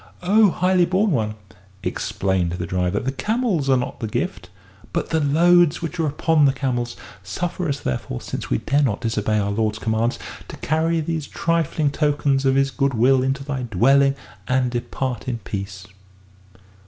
"O highly born one," explained the driver, "the camels are not a gift but the loads which are upon the camels. Suffer us, therefore, since we dare not disobey our lord's commands, to carry these trifling tokens of his good will into thy dwelling and depart in peace."